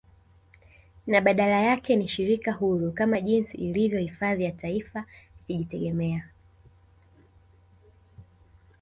Na badala yake ni shirika huru kama jinsi ilivyo hifadhi ya aifa likijitegemea